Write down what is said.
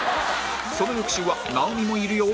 その翌週は直美もいるよ！